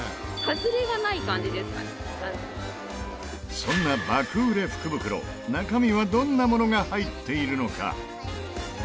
そんな爆売れ福袋中身はどんなものが入っているのか？